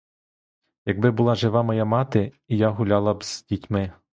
Якби була жива моя мати, і я гуляла б з дітьми.